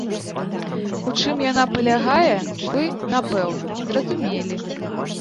У чым яна палягае, вы, напэўна, зразумелі.